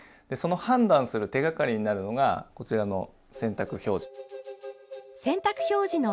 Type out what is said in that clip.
その判断する手がかりになるのがこちらの洗濯表示。